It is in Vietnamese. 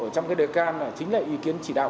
trong cái đề can chính là ý kiến chỉ đạo